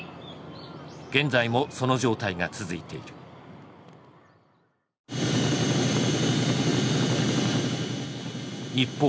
現在もその状態が続いている一方